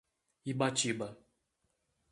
Ibatiba